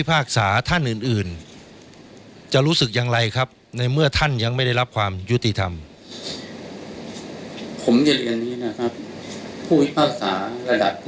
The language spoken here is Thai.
ผมพูดให้อาจารย์อาจารย์คิดว่ามีการวิ่งเต้นจ่ายเงินจ่ายทองในโรงการตุลาการไทยไหมครับ